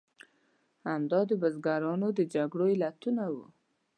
همدا د بزګرانو د جګړو علتونه وو.